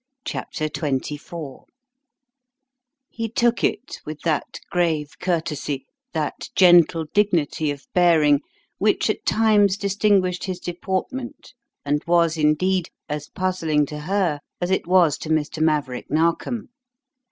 CHAPTER XXIV He took it with that grave courtesy, that gentle dignity of bearing which at times distinguished his deportment and was, indeed, as puzzling to her as it was to Mr. Maverick Narkom.